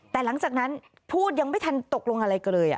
แต่หลังจากนั้นพูดยังไม่ทันตกลงอะไรกันเลย